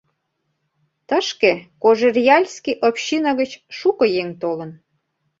Тышке Кожеръяльский община гыч шуко еҥ толын.